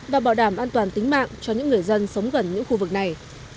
và bảo đảm an toàn tính mạng cho những người dân sống gần những khu vực này